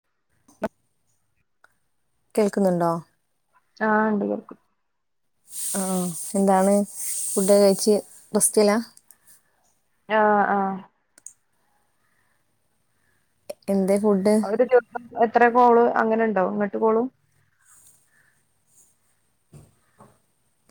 [inaudible] കേൾക്കുന്നുണ്ടോ ആഹ് ഉണ്ട് വർക്ക് ആ എന്താണ് ഫുഡ് കഴിച്ച് റെസ്റ്റ് ഇലാ ആഹ ആഹ എന്ത് അവടെ തിർതഎത്ര കോള് അങ്ങനെുണ്ടാവ ഇങ്ങോട്ട് കോളും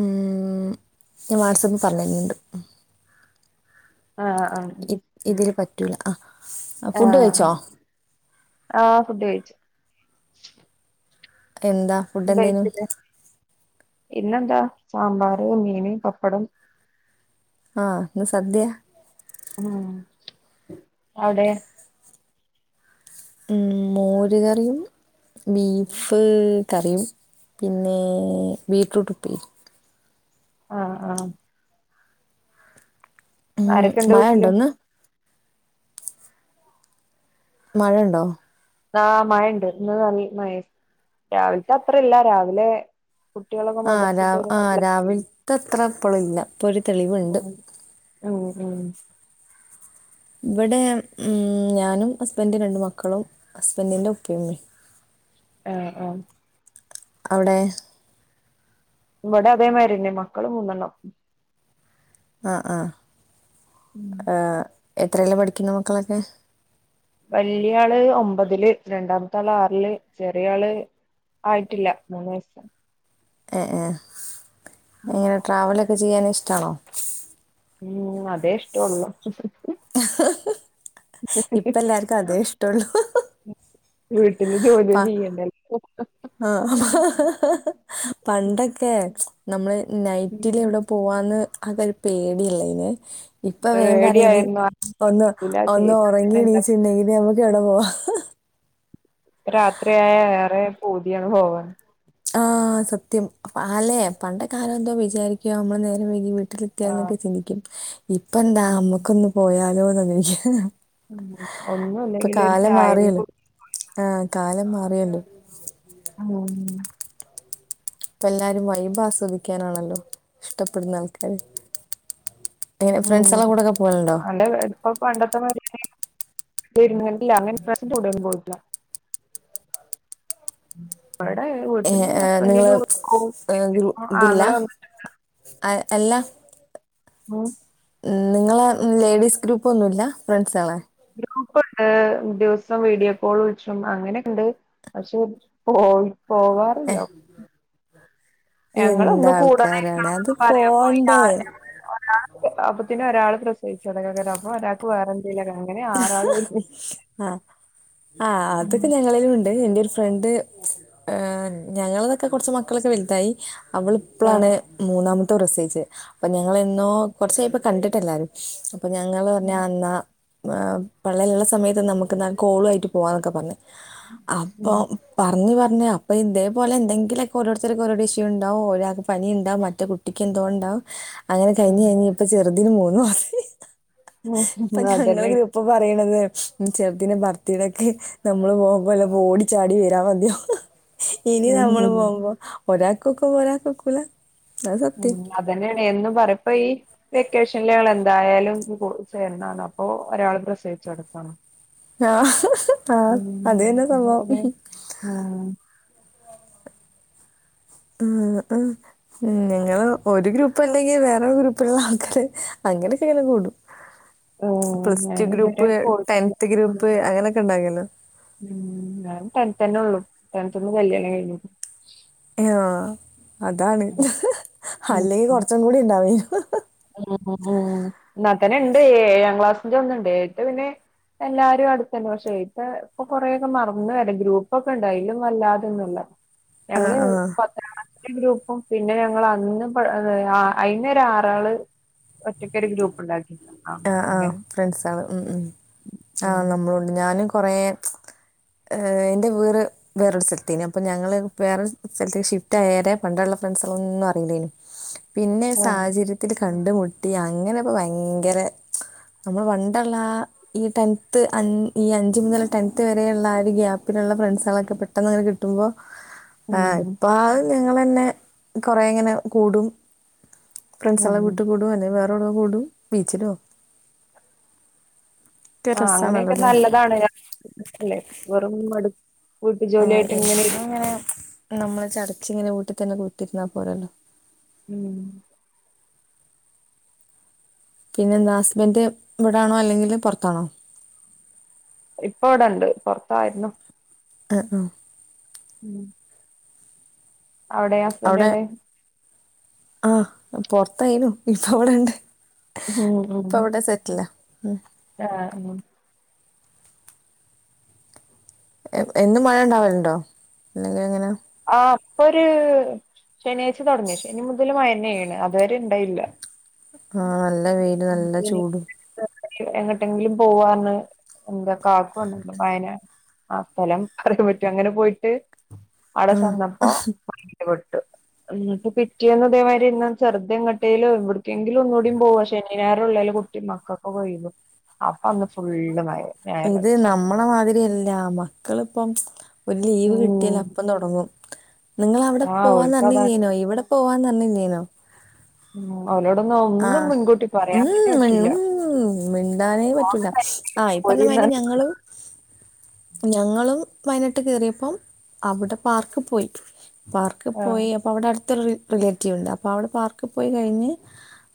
ഉ ഞാൻ വാട്സആപ്പിൽ പറഞ്ഞു തരണ്ട് ആഹ ആഹ പറ്റുള്ള ആ ഫുഡ് ആഹ കഴിച്ചോ ആഹ ഫുഡ് കഴിച്ചു എന്താ ഫുഡ് എന്തേ ന്നു ഇന്ന് എന്താ സാമ്പാര് മീൻ പപ്പടം ആഹ് ഇന്ന്സദ്യ ഉ അവിടെ ഉ മോരുകറിയും ബീഫ് കറിയും പിന്നെ ബീറ്ററൂട്ട് ഉപ്പേരി ആഹ ആഹ ഉം ആരൊക്കെണ്ട് മഴ വീട്ടില് ഉണ്ടോ ഇന്ന് മഴ ഉണ്ടോ ആമഴ ഉണ്ട് ഇന്ന് നല്ലമഴ രാവിലത്തെ അത്ര ഇല്ല രാവിലെ കുട്ടികളൊക്കെ ആ മദ്റസ രാ വിട്ടു ആ വരുമ്പോ നല്ല രാവിലത്തെ അത്ര ഇപ്പളില്ല ഇപ്പൊ ഒരു തെളിവുണ്ട് മഴയാ ഓ ഓ ഇവിടെ ഉ ഞാനും ഹസ്ബന്റുരണ്ട് മക്കളും ഹസ്ബന്റിന്റെ ഉപ്പ ഉമ്മയും ആഹ ആഹ അവിടെ ഇവടെ അതേമാതിരിന്നെ മക്കളും മൂന്ന് എണ്ണം ആഹ ഉം ആ എത്രയല്ല പഠിക്കുന്ന മക്കളൊക്കെ വല്യയ ആള് ഒമ്പതില് രണ്ടാമത്തെ ആള് ആറില് ചെറിയ ആള് ആയിട്ടില്ല മൂന്ന് വയസ്സ് ഏ ഏ ഉം എങ്ങനെ ട്രാവലൊക്കെ ചെയ്യാൻഇഷ്ടാണോ ഉം അതെ ഇഷ്ട ഉള്ളൂ ഇപ്പ എല്ലാർക്കും അതേ ഇഷ്ട ഒള്ളു വീട്ടില് ജോലിയും പ ചെയ്യണ്ടല്ലോ ആഹ പണ്ടൊക്കെ നമ്മള് നൈറ്റിൽ ഉം. എവിടെ പോവാന്ന്. അതൊക ഒരു പേടിയല്ലേ ഇന്. ഇപ്പ വേൻ പറയല് പേടിയായിരുന്നു ഒന്ന് ല്ല ഒന്ന് ചെയ്ത എന്താ ഉറങ്ങിണീച്ചുണ്ടെങ്കിൽ നമക്ക്. കേട പോവാ രാത്രിയായ ഏറെ പൂത്യാണ് പോവാൻ ആഹ സത്യം ആലേ പണ്ട കാലം എന്തോ വിചാരിക്കൃ നമ്മള് നേരെം വൈകി ആഹ് വീട്ടിലെത്തിയാൽന്നൊക്കെ ചിന്തിക്കും ഇപ്പ എന്താ അമ്മക്കൊന്ന് പോയാലോ ന് വിചാരം. ഉ ഒന്നും അല്ലെങ്കിൽ ഒരു ചായ [unintelligible] ആഹ കാലം മാറിയല്ലോ? ഉം ഇപ്പ എല്ലാരും വൈബ്. ആസ്വദിക്കാനണല്ലോ ഇഷ്ടപ്പെടുന്ന ആൾക്കാാര്. ഹലോ അല്ല ഇപ്പൊ പണ്ടത്തെ മാതിരി. [unintelligible] ണ്ടില്ല അങ്ങനെ പ്രശ്നം [unintelligible] പോയിട്ടില്ല ഉം ഇവിടെ ഏ വീട്ടന്ന് ഏഹ് ഹസ്ബന്ഡ നിങ്ങള് ഏഹ് ഗ്രൂ [unintelligible] ആാങ്ങള് വന്നിട്ട്ണ്ട് എ ല്ല മോൻ നിങ്ങളെ ലേഡീസ് ഗ്രൂപ്പ്ഒന്നുല്ല. ഫ്രണ്ട്സാളെ ഗ്രൂപ്പുണ്ട്. ദിവസം വീഡിയോ കോൾ വിളിച്ചും അങ്ങനെ ഉണ്ട്. പക്ഷെ പോയി പോവാറില്ല. ഏഹ് ഞങ്ങളൊന്ന് എന്താൾക്കാരാണ് അത് കൂടാനിരിക്കണംന്നൊക്കെ പോണ്ടേ? അപ്പൊത്തിന്നെ ഒരാൾ പ്രസവിച്ചുട. അപ്പൊ ഒരാൾക്ക് വേറ ആ ആ ഉം അതൊക്കെ ഞങ്ങളിലും ഉണ്ട്. ണ്ട് എന്റെ ഒരു ഫ്രണ്ട്. ഞങ്ങളതൊക്കെ കുറച്ച് മക്കളൊക്കെ വലുതായി. അവളിപ്പോളാണ് ആഹ് മൂന്നാമത്തെ പ്രസവിച്ചത് അപ്പൊ ഞങ്ങളെന്നോ കുറചായിപ്പം കണ്ടിട്ട് എല്ലാരും. അപ്പൊ ഞങ്ങള് പറഞ്ഞ് ഉം അന്നാ പള്ളേല്ലുള്ള സമയത്ത് നമുക്ക് ന്നാ കോളു ആയിട്ട് പോവാന്നൊക്കെ പറഞ്ഞു. അപ്പൊ ഉം പറഞ്ഞു പറഞ്. പിന്നെ അപ്പൊ ഇതേപോലെ എന്തെങ്കിലൊക്കെ ഓരോരുത്തർക്ക് ഓരോ ഇഷ്യൂ ഉണ്ടാവും. ഒരാൾക്ക് പനിണ്ടാവും. മറ്റേ കുട്ടിക്കെന്തോ ണ്ടാ അങ്ങനെ കഴിഞ്ഞഞ് കഴിഞ്ഞ് ഇപ്പ ചെറുതിന് മൂന്നുമാസായി. ഉം ഹ നങ്ങളെ ഗ്രൂപ്പ് പ പറയണത് ചെറുത്തി ന്റെ ബർത്തിടക്. നമ്മള് പോകുമ്പോല്ല ഓട ചാടി വരാ മതിയോ ഇനി ഉം നമ്മള് ഉം പോകുമ്പോ ഒരാൾകൊക്കുംപോ ഒരൾക് ക്കൊക്കൂല. ഉം അതന്നേനേ എന്നും പറപ്പോ ഈ വെക്കേഷനൽള് എന്തായാലും. ചേരന്നാണ് അപ്പൊ ഒരാൾ പ്രസവിച്ച എടുക്കാണ്. ആ ആഹ അത തന്നെ അപ്പൊ സംഭവം. പിന്നെ ഉം [unintelligible] ഞങ്ങള് ഒരു ഗ്രൂപ്പ് ഉണ്ടെങ്കിൽ വേറെ ഗ്രൂപ്പള്ള ആള്ക്കാര്. അങ്ങനെ ചിലര് കൂടും. ആ പ്ലസ് ടു ഞാനിതുവരെ ഗ്രൂപ്പ്. പോയിട്ടില്ല. Tenth group. അങ്ങനെയൊക്കെ ഉണ്ടാകല്ലോ? ഉ ഞാൻ ടെൻതെ ന്നെ ഉള്ളു ടെൻത് ന്ന് കല്യാണം കഴിഞ്ഞു. ആ അതാണ് ഉം ഉം അല്ലെങ്കിൽ കൊറച്ചും കൂടി ഇണ്ടാവനു. ഉം ഉ ഉം എന്നാൽത്തന്നെ ഉണ്ട്. ഏഴാം ക്ലാസ്സിന്റെ ഒന്ന്ണ്ട്. ഏട്ട് പിന്നെ എല്ലാരും അടുത്തന്നണ്ട് പക്ഷെ ഇപ്പ ഇപ്പൊ കൊറേൊക്കെ മറന്ന വരാ ഗ്രൂപ്പൊക്കെ ഉണ്ട് അതിലും വല്ലാതന്നല്ല. ആ ഞങ്ങള് ആ പത്തനാം ക ഗ്രൂപ്പും പിന്നെ ഞങ്ങൾ അന്ന് പ അയ്നൊരാരാള്. ആ ആഹ അങ്ങനെ ആഹ ഫ്രണ്ട്സാണ് ഉ ഉ. ആഹ ഉം നമ്മളുണ്ട് ഞൻ കൊറെ എന്റെ വീട് വേറൊരു സ്ഥലത്തേന്. അപ്പൊ ഞങ്ങള് വേറെൊരു സ്ഥലത്തെക് ഷിഫ്റ്റ് ആയ പണ്ടുള്ള ന്നും അറില്ലേയ്ന് പിന്നെ ആ സാഹചര്യത്തിൽ കണ്ടു മുട്ടി. അങ്ങനെപ്പോ ഭയങ്കര നമ്മൾ പണ്ടുള്ള ആ ഈ ടെൻത് അഞ്ച് ഈ അഞ്ച് മുതൽ ടെൻത് വരെയുള്ള ആ ഒരു ഗ്യാപ്പിലുള്ള നല്ല ഫ്രണ്ട്സ്ളൊക്കെ പെട്ടന്നങ്ങനെ കിട്ടുമ്പോ ആ ഉം ഇപ്പൊ ഞങ്ങളെന്നെ കൊറെ ഇങ്ങനെ കൂടും. ഫ്രണ്ട്സൊളെ ഉം വിട്ട്കൂടും. അല്ലെങ്കി വേറെോടോ കൂടും ബീച്ചിലും. ആ അങ്ങനെയൊക്കെ നല്ലതാണ് ലെ വെറും മട് ആ എനിക്ക് അങ്ങനെ നമ്മള് ചടച്ചിങ്ങനെ വീട്ടിൽ തന്നെ കൂട്ട് രുന്നാ പോരല്ലോ ഉം പിന്നെ എന്താ ഹസ്ബൻഡ് ഇവിടാണോ അല്ലെങ്കില് പൊറത്താണോ ഇപ്പ ഇവിടെണ്ട് പൊറത്തായിരുന്നു അ അ ഉം അവിടെ അവിടെ ഹസ്ബൻഡടെ ആഹ് പൊറത്തായിനു ഇപ്പ അവിടെണ്ട് ഉം ഉം ഇപ്പ അവിടെ സെറ്റ്ല ആഹ് ഉം എ എന്നും മഴ ഉണ്ടാവലുണ്ടോ ഇന്നലെ എങ്ങനെ ആ അപ്പൊ ഒരു ശനിയാഴ്ച തോടങ്ങി ശനി മുതൽ മഴെന്നെണ് അ തുവരെ ഇണ്ടായില്ല ആഹ് നല്ല വെയില് നല്ല ചൂടും എങ്ങട്ടെങ്കിലും പോവാന്ന് എന്റെ കാകു വന്നിലെ വയന ആ സ്ഥലം പറയാൻ പറ്റൊ അങ്ങനെ പോയിട്ട് അവിടെ ചന്നപ്പോ [unintelligible] [unintelligible] എന്നിട്ട് പിറ്റേന്ന് ഇതേമാതിരി ഇങ്ങ ചെറുതെങ്ങട്ടെലും ഇവിടക്കെങ്കിലും ഒന്നുകൂടി പോവാ ശനി ഞായറും ഉള്ളല്ലോ കു കട്ടി മക്കൊക്കെ പോയിരുന്നു അപ്പൊ അന്ന് ഫുള്ള് മയ ഇത് നമ്മളെ മാതിരിയല്ല മക്കളിപ്പം ഒരു ലീവ് കിട്ടിയൽ ഉം അപ്പം തുടങ്ങും നിങ്ങ അവിടെ ആഹ് ഓൽക്ക് അതാണ് പോവാന്ന്ഞ്ഞില്ലേനോ ഇവിടെ പോവാന്ന് ന്നഞ്ഞില്ലേനോ ഉം ഓലോടൊന്നും ഒന്നും ആഹ് മുൻകൂട്ടി പറയാനേ ഉം മൻ പറ്റില്ല ഉം മിണ്ടാനേ പോണ പറ്റൂല ടൈമില് ആ ഇ പോരീന്ന് പറഞ്ഞമാരി ഞങ്ങളും ഞങ്ങളും വയനാട്ട് കെയറിയപ്പം അവിടെ പാർക്ക്പോയി ആഹ് പാർക്ക്പോയി അപ്പ അവിടെ അടു ത്ത് ഒരു റിലേറ്റീവ് ഉണ്ട് അപ്പൊ അവിടെ പാർക്കിൽ പോയി കഴിഞ്ഞ്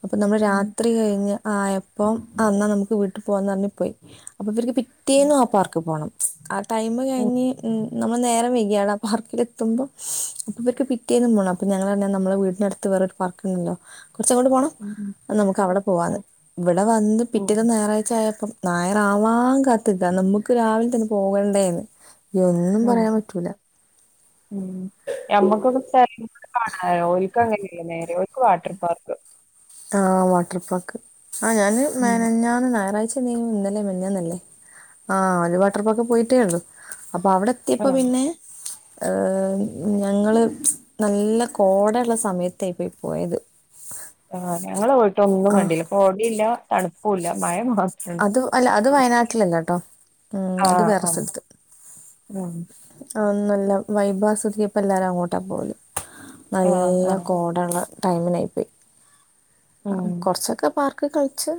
അപ്പൊ നമ്മള് ഉം രാത്രി കഴിഞ്ഞ് ആ എപ്പം അ അന്നാൽ നമുക്ക് വീട്ടിൽ പോകന്ന്റഞ്ഞ് പോയി അപ്പ ഇവർക്ക് പിറ്റേന്നും ആ പാർക്പോണം ആ ടൈമ കഴിഞ്ഞഞ് ഉം നമ്മൾ നേരം വെയകാടാ പാർക്കിലെത്തുമ്പോ അപ്പൊ ഇവർക്ക് പിറ്റേന്നും പോണം അപ്പൊ ഞങ്ങ നമ്മള വീടിനടുത്ത് വേറൊരു പാർക്കണ്ടല്ലോ കുറച്ചങ്ങോട്ട് പോണം ഉം നമുക്ക് അവിടെ പോവാന്ന് ഉം ഇവിടെ വന്ന് ഉം പിറ്റേത് ഞായറാഴ്ച ആയപ്പം ഞായറാവാൻ കാത്തിക്കാ നമ്മുക്ക് രാവിലെ തന്നെ പോകണ്ടേന്ന് ഒന്നും ഉം പറയാൻ ഉം പറ്റൂല ഉം ഞമ്മക്കൊക്കെ പേരെന്നെ കാണാലോ ഒൽക്ക് അങ്ങനല്ല നേരെ വാട്ടർ പാർക്ക് ആ വാട്ടർ പാർക്ക് ആ ഞാന് ഉം മെനഞ്ഞാന്ന് ഞായറാഴ്ച ന്ന് ഇന്നല്ലെ മിനിഞാന്നല്ലേ ആ ഒരു വാട്ടർപാക്ക പോയിട്ടേ ഉള്ളു അപ്പൊ അവിടെ എത്തിയപ്പോ ആഹ് പിന്നെ എം ഞാൻ ങ്ങള് നല്ല കോടള്ള സമയത്തായി പോയി പോയത് ആ ഞങ്ങള് പോയിട്ട് ഒന്നും ആ കണ്ടില്ല കോടില്ല തണുപ്പുല്ല മഴ മാത്രണ്ട്. അത് അല്ല അത് വയനാട്ടിലല്ലട്ടോ ഉം അത് ആഹ് വേറെരു ആഹ് സ്ഥലത്ത് ഉം ആ നല്ല ല്ല വൈഭസ്വതിക ഇപ്പോ എല്ലരും അങ്ങോട്ടാ പോവല് ആഹ് നല്ല ആഹ് കോടള്ള ടൈമിലായി പോയി അ ഉം കൊർച്ചൊക്കെ പാർക്ക് കളിച്ച്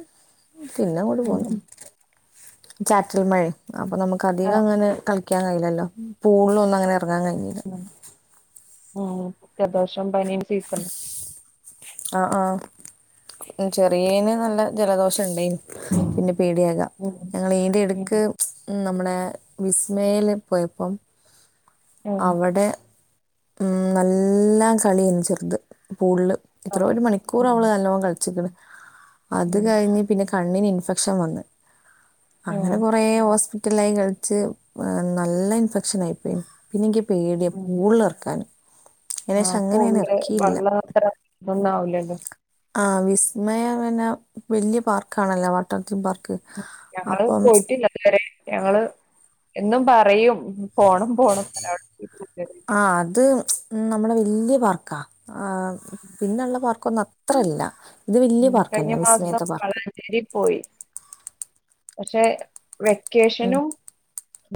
ഉം പിന്നങ്ങോട്പോന്നു ചാറ്റൽ മഴ അപ്പൊ നമുക്ക് ആഹ് അധികങ്ങനെ കളി ക്ക്യാൻ കഴിയില്ലല്ലോ പൂൾലൊന്നും അങ്ങനെ എറങ്ങാൻ കഴിഞ്ഞില്ല ഉം ഉം ജലദോഷോം പനിയും സീസൺ ആഹ് ആഹ് ചെറിയേന് നല്ല ജലദോഷംണ്ടേനും പിന്നെ പേടിയാക ഉം ഞങ്ങളിയെന്റെടക്ക് ഉം നമ്മളെ വിസ്മയേല് പോയപ്പം ആഹ് അവിടെ ഉം നല്ലാം കളിയെനി ചേർത് പൂള്ല് എത്രോ ആഹ് ഒരു മണിക്കൂറ് ഉം അവള് നല്ലോം കളിച്ചിക്ക്ണ് അത് ഉം കഴിഞ്ഞ് പിന്നെ കണ്ണിന് ഇൻഫെക്ഷൻ വന്ന് അങ്ങനെ ആഹ് കൊറേ ഹോസ്പി റ്റ്ലൈ കളിച്ച് വ നല്ല ഇൻഫെക്ഷനായിപ്പോയി. പിന്നെൻ ക്ക് പേടിയ ഉം പൂളിലെർ [unintelligible] ആഹ് പൂൾലെ ഇറക്കിയില്ല വള്ളത്ര തൊന്നും ആവൂലല്ലോ ആഹ് വിസ്മയ പിന്നെ വല്യ പാർക്കാണല്ലോ വാട്ടർ തീം പാർക്ക്. ഞങ്ങള് അപ്പം പോയിട്ടില്ലതുവരെ ഞങ്ങള് എന്നും പറയും. ഉം പോണം പോണം [unintelligible] ഉം നമ്മളെ വല്യ പാർക്കാ. ആ പിന്നള്ള പാർക്കൊന്നും അത്രല്ല. ഉം കഴിഞ്ഞ മാസം വളാഞ്ചേരി പോയി. പക്ഷെ ഉം വെക്കേഷനും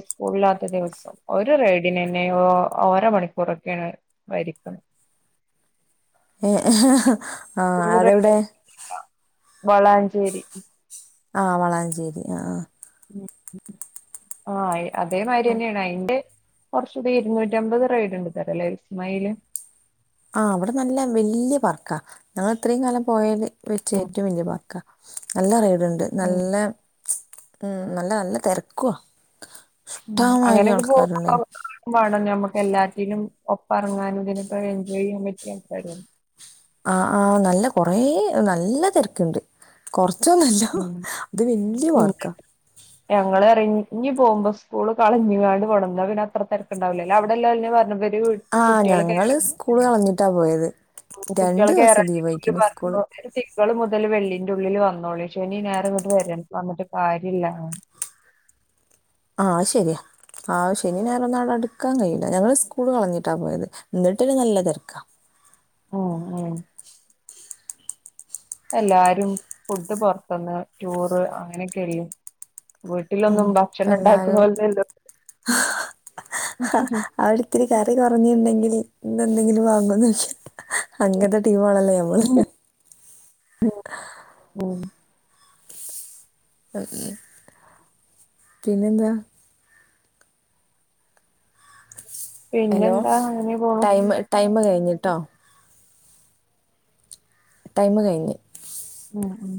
സ്കൂൾല്ലാത്ത ദിവസം ഒരു റെയ്ഡിനന്നെ ഓ ഓരോ മണിക്കൂറൊക്കെണ് വരിക്ക്ണ്. [inaudible] ആഹ് ഫുൾ റൈഡ് അതെവിടെ? വളാഞ്ചേരി ആഹ് വളാഞ്ചേരി ആഹ് ആഹ് എ അതേമാരിയന്നെയാണ് അയിന്റെ കൊർച്ചുടി ഇരുന്നൂറ്റി അമ്പത് റൈഡ്ണ്ട്ത്രെ ലെ വീസ്മയേല്. ആഹ് അവടെ നല്ല വല്യ പാർക്കാ. ഞങ്ങള് ഇത്രയും കാലം പോയേല് വെച്ച് ഉം ഏറ്റവും വല്യ പാർക്കാ. നല്ല റെയ്ഡുണ്ട ഉം നല്ല ഉം നല്ല നല്ല തെരക്കുഅ ഉം അങ്ങനെയൊക്കെ [unintelligible] വേണം ഞമ്മക്ക് എല്ലാറ്റിനും ഒപ്പം എറങ്ങാനും ഇതിനൊക്ക എൻജോയ് യ്യാൻ പറ്റിയ ആൾക്കാര് വേ ആഹ് ആ നല്ല കൊറേ നല്ല തെരക്ണ്ട് കൊർ ച്ചൊന്നല്ല ഉം അത് വല്യ ഉം പാർക്കാ ഞങ്ങള് ഇറങ്ങി ഇഞ്ഞി പോഉമ്പോ സ്കൂള് കളഞ്ഞ്ങ്ങാണ്ട് പോണം. ഇന്ന പിന്നത്ര തെരക്ക്ണ്ടാവില്ലല്ലോ അടെല്ലോലന്നെ പർഞ്ഞു വെ [unintelligible] ആഹ് കുട്ട്യേളൊക്കെ [unintelligible] ഞങ്ങള് സ്കൂള് [unintelligible] കളഞ്ഞിട്ടാ പോയത് രണ്ടു കുട്ട്യേളൊക്കെ [unintelligible] ദിവസം ലീവായിക്ക്ണ് സ്കൂള് പറഞ്ഞപ്പൊഅയിന് തിങ്കള് മുതൽ വെള്ളിന്റെ ഉള്ളില് വന്നോളിൻ ശനി ഞായറുംഇങ്ങട്ട് വരെൺ വന്നിട്ട് കാര്യല്ലാന്ന് അഹ് ശരിയാ ആഹ് ശനി ഞായറൊന്നടുക്കാൻ കഴിയില്ല. ഞങ്ങള് സ്കൂള് കളഞ്ഞിട്ടാ പോയത് എന്നിട്ടന്നെ നല്ല തെരക്കാ. ഉം ഉം എല്ലാരും ഫുഡ് പൊർത് ന്ന് ടൂറ് അങ്ങനൊക്കെയല്ലേ. ഉം വീട്ടിലൊന്നും ഇപ്പ ഭക്ഷണം ണ്ടാക്ക് ണോൽല്ലോ ഹാ അവരത്തിരി കറി കുറഞ്ഞിണ്ടെങ്കില് ഇന്നന്തെന്തെങ്കിലും വഗോന്ന്യ്ചൂ അങ്ങൻത്തെ ട്ടീ മാണല്ലോ ഞമ്മള്. പിന്നെന്താ? ഹലോ പിന്നെന്താ അങ്ങനെ പോണു ടൈമ് ടൈമ് കഴിഞ്ഞ്ട്ടോ. ടൈമ് കഴിഞ്ഞ് ഉം ഉം